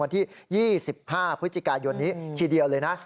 วันที่๒๕พฤศจิกายนนี้ทีเดียวเลยนะ